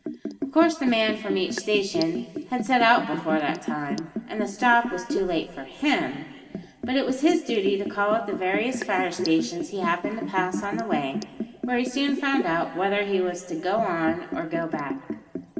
Of course the man from each station had set out before that time, and the "stop" was too late for him, but it was his duty to call at the various fire stations he happened to pass on the way, where he soon found out whether he was to "go on" or to "go back."